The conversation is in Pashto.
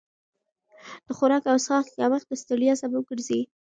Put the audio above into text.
د خوراک او څښاک کمښت د ستړیا سبب ګرځي.